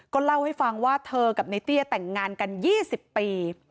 เล่าให้ฟังว่าเธอกับในเตี้ยแต่งงานกัน๒๐ปี